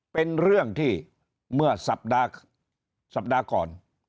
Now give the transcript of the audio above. เป็นเรื่องที่เมื่อสัปดาห์สัปดาห์ก่อน